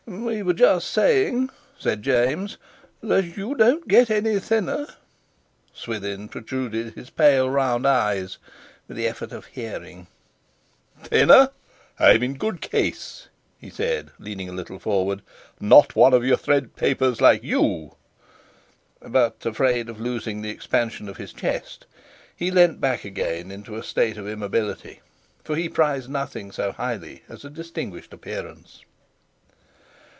"We were just saying," said James, "that you don't get any thinner." Swithin protruded his pale round eyes with the effort of hearing. "Thinner? I'm in good case," he said, leaning a little forward, "not one of your thread papers like you!" But, afraid of losing the expansion of his chest, he leaned back again into a state of immobility, for he prized nothing so highly as a distinguished appearance.